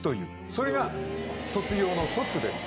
それが卒業の「卒」です。